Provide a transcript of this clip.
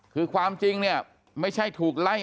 คือความจริงเนี่ยไม่ใช่ถูกไล่